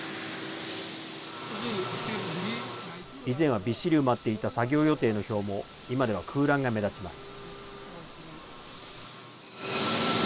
以前は、びっしり埋まっていた作業予定の表も今では空欄が目立ちます。